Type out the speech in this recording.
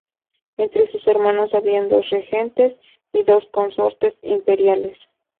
Entre sus hermanos había dos regentes y dos consortes imperiales.